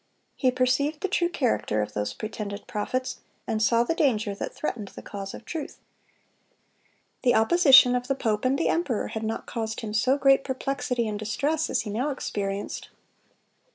(268) He perceived the true character of those pretended prophets, and saw the danger that threatened the cause of truth. The opposition of the pope and the emperor had not caused him so great perplexity and distress as he now experienced.